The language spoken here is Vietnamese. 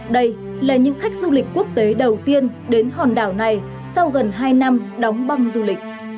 đây là những khách du lịch quốc tế đầu tiên đến hòn đảo này sau gần hai năm đóng băng du lịch